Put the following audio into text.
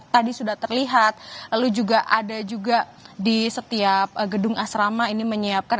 tadi sudah terlihat lalu juga ada juga di setiap gedung asrama ini menyiapkan